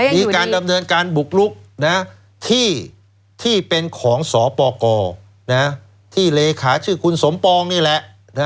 มีการดำเนินการบุกลุกที่เป็นของสปกรที่เลขาชื่อคุณสมปองนี่แหละ